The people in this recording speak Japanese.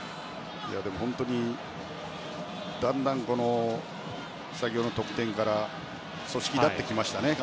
でも本当にだんだん先ほどの得点から組織立ってきましたね。